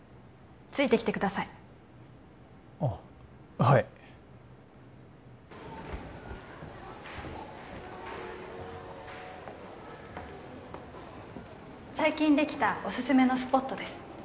ついてきてくださいあっはい最近できたオススメのスポットです